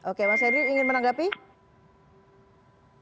oke mas edwin ingin menanggapi